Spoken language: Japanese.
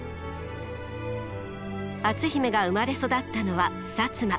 篤姫が生まれ育ったのは摩。